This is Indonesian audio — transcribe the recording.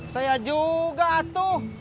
saya juga tuh